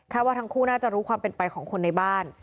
ว่าทั้งคู่น่าจะรู้ความเป็นไปของคนในบ้าน